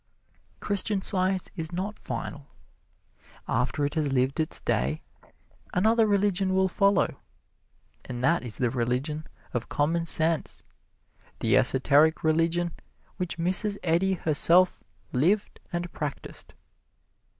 Christian Science is not final. After it has lived its day, another religion will follow, and that is the Religion of Commonsense, the esoteric religion which Mrs. Eddy herself lived and practised.